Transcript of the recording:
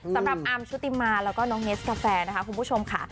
สำหรับอาร์มชุติมาแล้วก็น้องเนสกาแฟนะคะคุณผู้ชมค่ะ